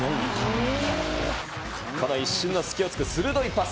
この一瞬の隙を突く鋭いパス。